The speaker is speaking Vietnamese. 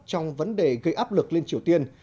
trong vấn đề gây áp lực lên triều tiên